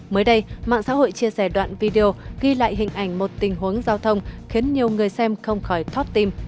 mới đây mạng xã hội chia sẻ đoạn video ghi lại hình ảnh một tình huống giao thông khiến nhiều người xem không khỏi thót tim